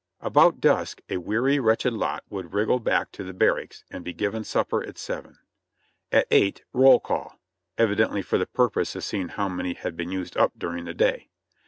About dusk a weary, wretched lot would wriggle back to the barracks and be given supper at seven. At eight, "Roll call." ("Evidently for the purpose of seeing how many had been used up during that day.")